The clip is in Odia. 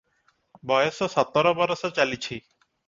ବୟସ ସତର ବରଷ ଚାଲିଛି ।